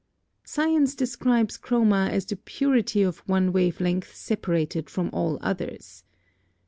Science describes chroma as the purity of one wave length separated from all others.